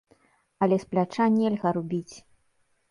Але з пляча нельга рубіць.